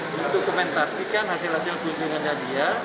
mendokumentasikan hasil hasil kunjungannya dia